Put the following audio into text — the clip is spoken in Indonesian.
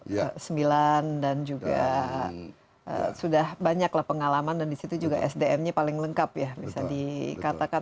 ya terakhir kan n dua ratus sembilan belas dan juga sudah banyak lah pengalaman dan disitu juga sdm nya paling lengkap ya bisa dikatakan